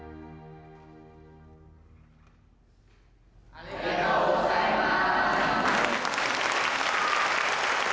ありがとうございます！